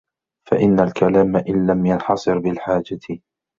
فَإِنَّ الْكَلَامَ إنْ لَمْ يَنْحَصِرْ بِالْحَاجَةِ